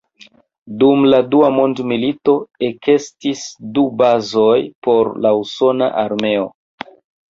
Dum la dua mondmilito ekestis du bazoj por la usona armeo.